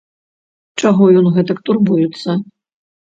Чаго ён гэтак турбуецца?